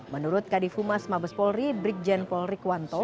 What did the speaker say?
menurut kadifumas mabespolri brigjen polri kwanto